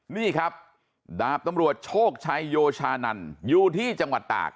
นี่ครับดาบตำรวจโชคชัยโยชานันอยู่ที่จังหวัดตาก